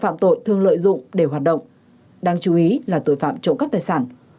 phạm tội thường lợi dụng để hoạt động đáng chú ý là tội phạm trộm cắp tài sản